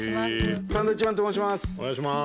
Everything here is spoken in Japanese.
サンドウィッチマンと申します。